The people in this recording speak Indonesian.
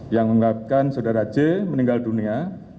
yang mengungkapkan saudara j meninggal dunia